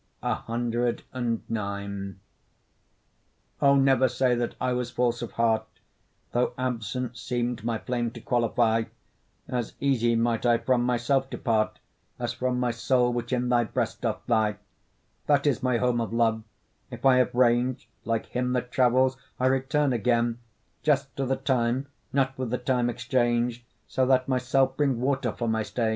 CIX O! never say that I was false of heart, Though absence seem'd my flame to qualify, As easy might I from my self depart As from my soul which in thy breast doth lie: That is my home of love: if I have rang'd, Like him that travels, I return again; Just to the time, not with the time exchang'd, So that myself bring water for my stain.